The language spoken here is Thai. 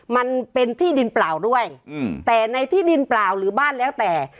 มันเป็นที่ดินเปล่าด้วยแต่ในที่ดินเปล่าหรือบ้านแล้วแต่